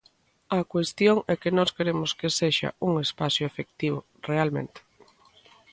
A cuestión é que nós queremos que sexa un espazo efectivo, realmente.